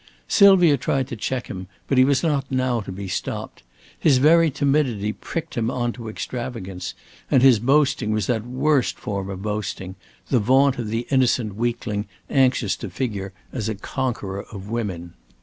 Sylvia tried to check him, but he was not now to be stopped. His very timidity pricked him on to extravagance, and his boasting was that worst form of boasting the vaunt of the innocent weakling anxious to figure as a conqueror of women.